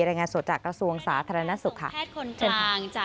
รายงานสดจากกระทรวงสาธารณสุขค่ะ